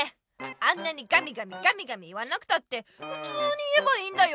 あんなにガミガミガミガミ言わなくたってふつうに言えばいいんだよ。